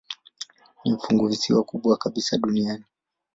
Ni funguvisiwa kubwa kabisa duniani.